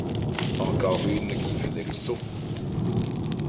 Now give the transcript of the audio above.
Encore une qui faisait le saut!